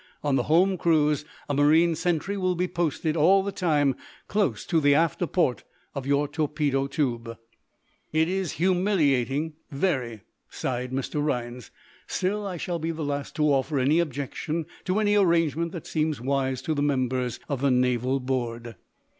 On the home cruise a marine sentry will be posted, all the time, close to the after port of your torpedo tube." "It is humiliating very," sighed Mr. Rhinds. "Still, I shall be the last to offer any objection to any arrangement that seems wise to the members of the naval board."